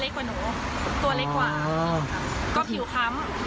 แล้วก็หนูก็ดึงออกเนอะพยายามจะหนีนั่นแหละหนูก็วิ่งหนีแล้วเขาก็วิ่งลากกลับมาค่ะ